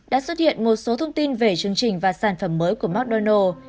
đã xuất hiện một số thông tin về chương trình và sản phẩm mới của mcdonald